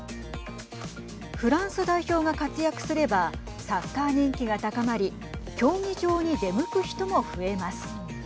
フランス代表が活躍すればサッカー人気が高まり競技場に出向く人も増えます。